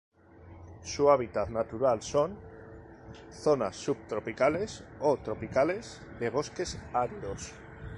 Su hábitat natural son: zonas subtropicales o tropicales de bosques áridos.